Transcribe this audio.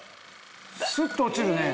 スッと落ちるね。